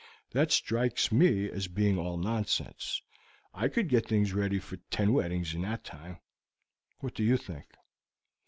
That strikes me as being all nonsense. I could get things ready for ten weddings in that time. What do you think?"